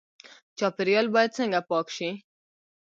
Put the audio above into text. چاپیریال باید څنګه پاک شي؟